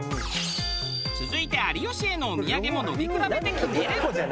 続いて有吉へのお土産も飲み比べて決める。